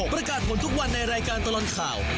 ประกาศผลทุกวันในรายการตลอดข่าว